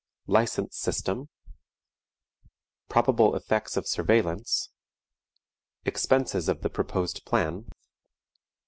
License System. Probable Effects of Surveillance. Expenses of the proposed Plan.